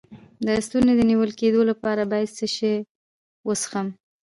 د ستوني د نیول کیدو لپاره باید څه شی وڅښم؟